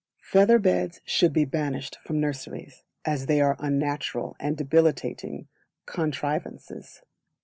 Feather Beds should be banished from nurseries, as they are unnatural and debilitating contrivances.